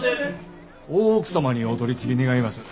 大奥様にお取り次ぎ願います。